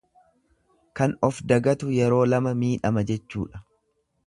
Kan of dagatu yeroo lama miidhama jechuudha.